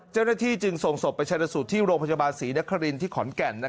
เจ้าหน้าที่จึงส่งศพไปชนะสูตรที่โรงพยาบาลศรีนครินที่ขอนแก่น